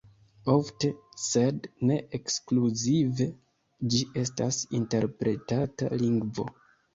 Ofte, sed ne ekskluzive, ĝi estas interpretata lingvo.